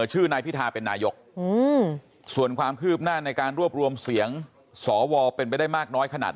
อยู่ในขั้นตอนพยายามประสานเสียงของสอวให้มากที่สุด